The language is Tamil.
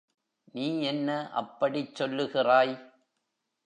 நீ என்ன அப்படிச் சொல்லுகிறாய்?